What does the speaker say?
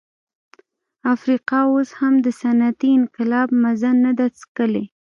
افریقا اوس هم د صنعتي انقلاب مزه نه ده څکلې.